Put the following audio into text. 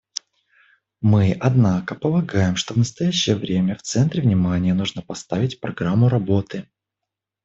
Мы, однако, полагаем, что в настоящее время в центр внимания нужно поставить программу работы.